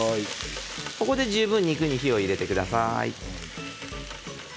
ここで十分に肉に火を入れてください。